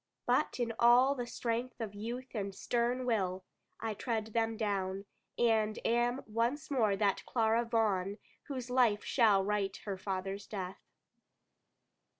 But in all the strength of youth and stern will, I tread them down; and am once more that Clara Vaughan whose life shall right her father's death.